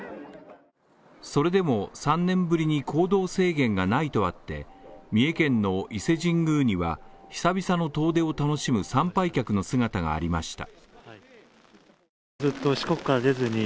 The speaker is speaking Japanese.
それでも３年ぶりに行動制限がないとあって、三重県の伊勢神宮には久々の遠出を楽しむ参拝客の姿がありました。